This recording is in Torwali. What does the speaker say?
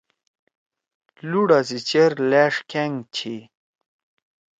لُوڑا سی چیر لأݜ کھأنگ چھی۔